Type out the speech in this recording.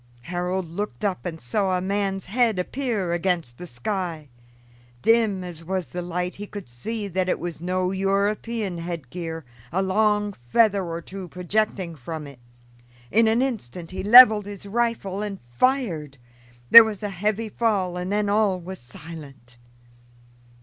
Harold looked up and saw a man's head appear against the sky. Dim as was the light, he could see that it was no European head gear, a long feather or two projecting from it. In an instant he leveled his rifle and fired. There was a heavy fall and then all was silent.